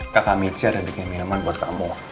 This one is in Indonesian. kakak micah udah bikin minuman buat kamu